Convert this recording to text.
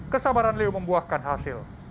bersabaran leo membuahkan hasil